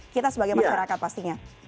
kita sebagai masyarakat pastinya